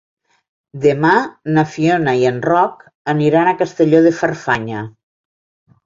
Demà na Fiona i en Roc aniran a Castelló de Farfanya.